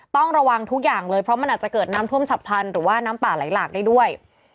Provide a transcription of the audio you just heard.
ต้องระวังทุกอย่างเลยเพราะมันอาจจะเกิดน้ำท่วมฉับพลันหรือว่าน้ำป่าไหลหลากได้ด้วย